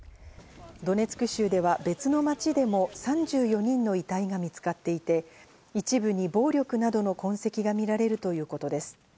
ドネツク州では別の町でも３４人の遺体が見つかっていて、一部に暴力などの痕跡が見られるということです。